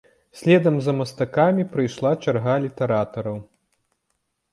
Следам за мастакамі прыйшла чарга літаратараў.